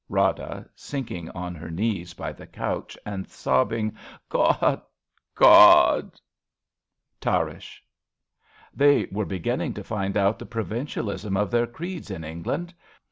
Rada {sinking on her knees by the couch and sobbing). God! God! 18 A BELGIAN CHRISTMAS EVE Tabrasch. They were beginning to find out the provincialism of their creeds in England.